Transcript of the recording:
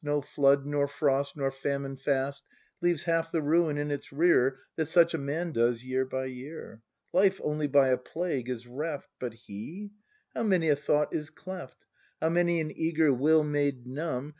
No flood, nor frost, nor famine fast Leaves half the ruin in its rear That such a man does, year by year. Life only by a plague is reft; g^t l^e ! How many a thought is cleft, How many an eager will made numb.